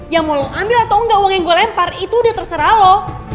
yang mau lo ambil atau enggak uang yang gue lempar itu udah terserah loh